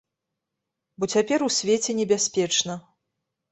Бо цяпер у свеце небяспечна.